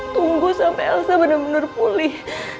tunggu sampe elsa bener bener pulih